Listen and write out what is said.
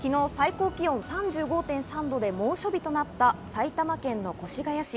昨日、最高気温３５．３度で猛暑日となった埼玉県越谷市。